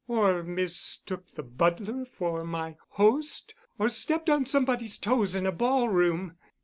Or mistook the butler for my host? Or stepped on somebody's toes in a ballroom.